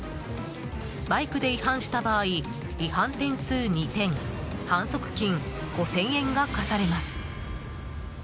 バイクで違反した場合違反点数２点反則金５０００円が科されます。